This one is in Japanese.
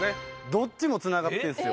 どっちもつながってるんです。